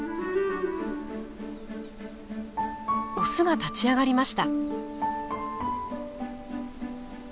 オスが立ち上がりました。